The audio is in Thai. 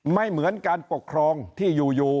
ไม่เหมือนการปกครองที่อยู่